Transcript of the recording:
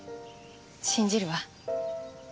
信じるわ。